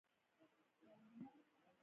د سکرو کانونه ځینې وختونه چاودنې کوي.